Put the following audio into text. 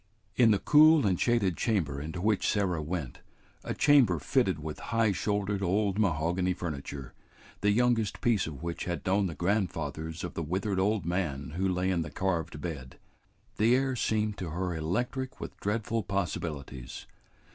In the cool and shaded chamber into which Sarah went, a chamber fitted with high shouldered old mahogany furniture, the youngest piece of which had known the grandfathers of the withered old man who lay in the carved bed, the air seemed to her electric with dreadful possibilities.